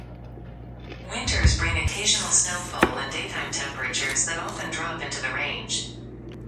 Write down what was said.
Winters bring occasional snowfall and daytime temperatures that often drop into the range.